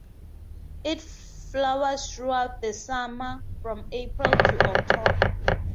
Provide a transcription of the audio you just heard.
It flowers throughout the summer, from April to October.